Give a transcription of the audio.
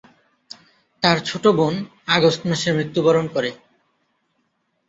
তার ছোট বোন আগস্ট মাসে মৃত্যুবরণ করে।